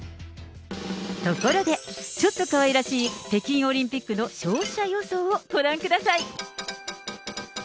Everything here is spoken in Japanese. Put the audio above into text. ところで、ちょっとかわいらしい、北京オリンピックの勝者予想をご覧ください。